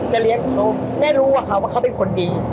จะเรียนเขาแม่รู้ว่าเขาเป็นคนดี